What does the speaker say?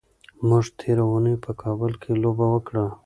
موږ تېره اونۍ په کابل کې لوبه وکړه.